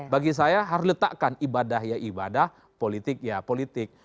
bagi saya harus letakkan ibadah ya ibadah politik ya politik